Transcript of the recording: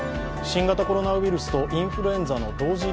新型コロナウイルスとインフルエンザの同時